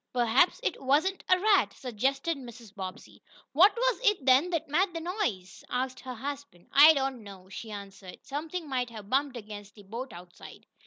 "Perhaps it wasn't a rat," suggested Mrs. Bobbsey. "What was it, then, that made the noise?" asked her husband. "I don't know," she answered. "Something might have bumped against the boat outside."